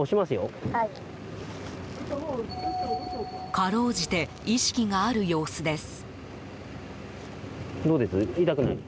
かろうじて意識がある様子です。